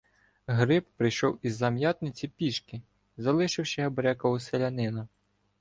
Гриб прийшов із Зам'ятниці пішки, залишивши Абрека у селянина.